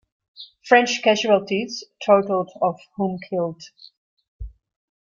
French casualties totalled of whom killed.